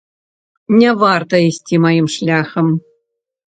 Не варта ісці маім шляхам.